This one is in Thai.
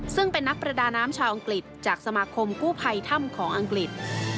ซึ่งเป็นนักประดาน้ำชาวอังกฤษจากสมาคมกู้ภัยถ้ำของอังกฤษ